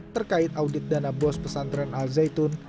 terkait audit dana bos pesantren al zaitun